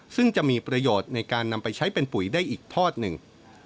ซึ่งจะมีประโยชน์ในการนำไปใช้เป็นปุ๋ยได้อีกทอดหนึ่ง